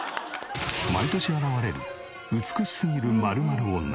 毎年現れる美しすぎる○○女。